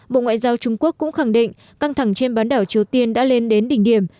bộ ngoại giao trung quốc cũng khẳng định căng thẳng trên bán đảo triều tiên đã lên đến đỉnh điểm